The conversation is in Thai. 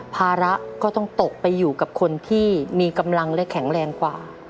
ภาระก็ต้องตกไปอยู่กับคนที่มีกำลังและแข็งแรงกว่า